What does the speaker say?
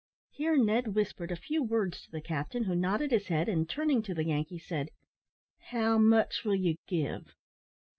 Here Ned whispered a few words to the captain, who nodded his head, and, turning to the Yankee, said "How much will you give?"